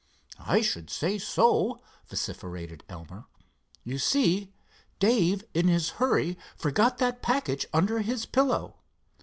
"I should say so," vociferated Elmer. "You see, Dave in his hurry forgot that package under his pillow.